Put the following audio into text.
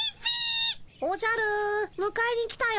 おじゃるむかえに来たよ。